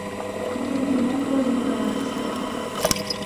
Теве мом возымо кагазыште.